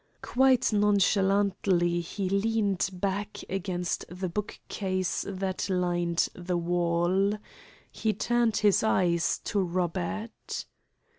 Quite nonchalantly he leaned back against the bookcase that lined the wall. He turned his eyes to Robert.